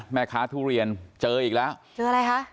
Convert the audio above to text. ทุเรียนเจออีกแล้วเจออะไรคะ